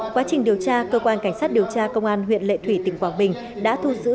quá trình điều tra cơ quan cảnh sát điều tra công an huyện lệ thủy tỉnh quảng bình đã thu giữ